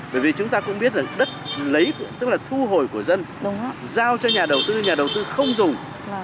bởi vì chúng ta cũng biết là đất lấy tức là thu hồi của dân không giao cho nhà đầu tư nhà đầu tư không dùng